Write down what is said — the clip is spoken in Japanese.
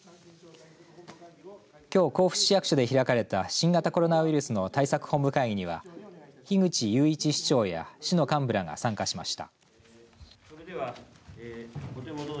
きょう、甲府市役所で開かれた新型コロナウイルスの対策本部会議には樋口雄一市長や市の幹部らが参加しました。